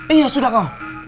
iya sudah kawan